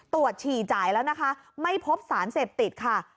ฉี่จ่ายแล้วนะคะไม่พบสารเสพติดค่ะ